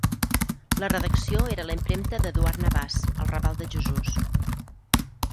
La redacció era a la Impremta d'Eduard Navàs, al raval de Jesús.